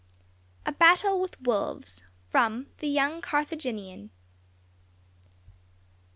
*A BATTLE WITH WOLVES.* *FROM "THE YOUNG CARTHAGINIAN."